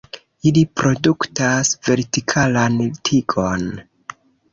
Ili produktas vertikalan tigon.